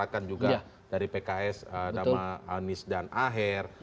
dan diutarakan juga dari pks nama anies dan aher